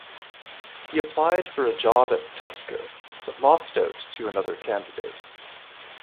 He applied for a job at Tesco, but lost out to another candidate.